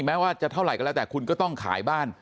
แม้ว่าจะเท่าไหร่ก็แล้วแต่คุณก็ต้องขายบ้าน